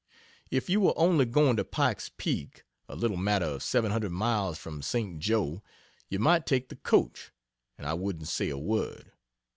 If you were only going to Pike's Peak, a little matter of 700 miles from St. Jo, you might take the coach, and I wouldn't say a word.